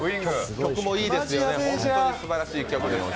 曲もいいですよね、本当にいい曲です。